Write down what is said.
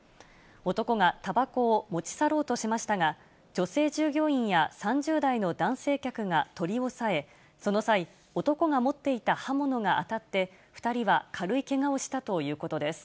男がたばこを持ち去ろうとしましたが、女性従業員や３０代の男性客が取り押さえ、その際、男が持っていた刃物が当たって、２人は軽いけがをしたということです。